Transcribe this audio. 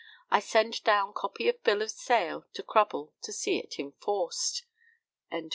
I send down copy of bill of sale to Crubble to see it enforced."